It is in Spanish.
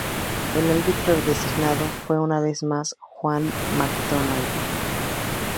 El árbitro designado fue, una vez más, Juan Mac Donald.